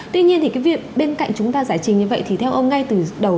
tuy nhiên thì cái việc bên cạnh chúng ta giải trình như vậy thì theo ông ngay từ đầu